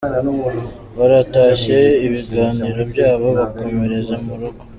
Baratashye ibiganiro byabo bikomereza mu rugo.